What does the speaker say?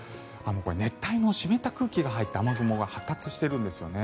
熱帯の湿った空気が入って雨雲が発達しているんですよね。